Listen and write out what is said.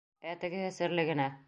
Ә тегеһе серле генә: